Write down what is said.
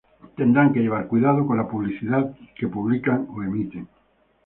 Tendrán que llevar cuidado con la publicidad que publican o emiten.